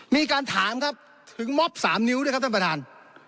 มีการถามครับถึงมอบ๓นิ้วด้วยครับท่านประธาน